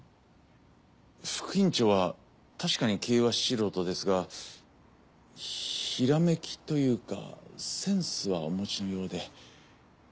副院長は確かに経営は素人ですがひらめきというかセンスはお持ちのようで。